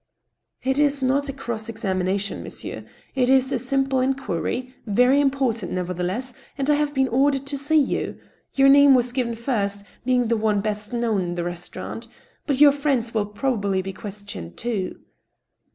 * It is not a cross examination, monsieur, it is a simple inquiry — very important, nevertheless, and I have been ordered to see you. Your name was given first, being the one best known in the restau rant. But your friends will probably be questioned, too."